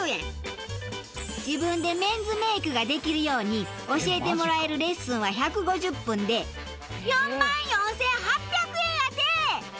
自分でメンズメイクができるように教えてもらえるレッスンは１５０分で４万４８００円やて！